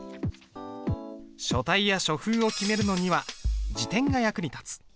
書体や書風を決めるのには字典が役に立つ。